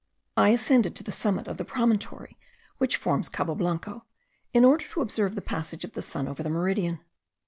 I ascended to the summit of the promontory, which forms Cabo Blanco, in order to observe the passage of the sun over the meridian.